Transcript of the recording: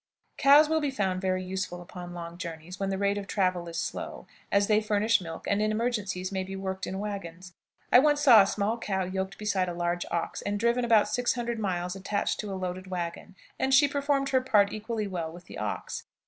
Cows will be found very useful upon long journeys when the rate of travel is slow, as they furnish milk, and in emergencies they may be worked in wagons. I once saw a small cow yoked beside a large ox, and driven about six hundred miles attached to a loaded wagon, and she performed her part equally well with the ox.